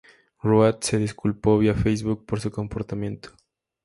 Road se disculpó vía Facebook por su comportamiento.